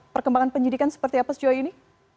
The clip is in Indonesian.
perkembangan penyidikan seperti apa sejauh ini